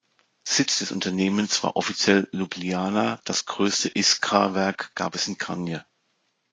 Sitz des Unternehmens war offiziell Ljubljana, das größte Iskra-Werk gab es in Kranj.